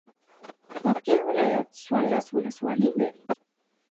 پکتيا ولايت څوارلس ولسوالۍ لري